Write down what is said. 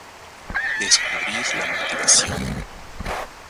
Descubrir la motivación